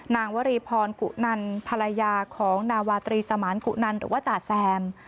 วรีพรกุนันภรรยาของนาวาตรีสมานกุนันหรือว่าจ่าแซม